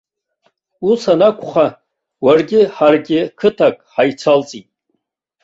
Ус анакәха, уаргьы ҳаргьы қыҭак ҳаицалҵит.